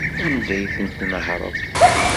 Anda ay ten-tnehṛeḍ?